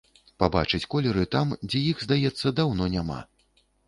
Пабачыць колеры там, дзе іх, здаецца, даўно няма.